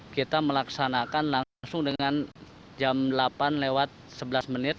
kita melaksanakan langsung dengan jam delapan lewat sebelas menit